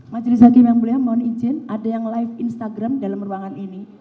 majelis hakim yang mulia mohon izin ada yang live instagram dalam ruangan ini